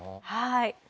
はい。